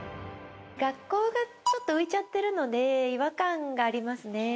学校がちょっと浮いちゃってるので違和感がありますね。